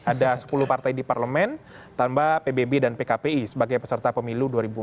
ada sepuluh partai di parlemen tambah pbb dan pkpi sebagai peserta pemilu dua ribu empat belas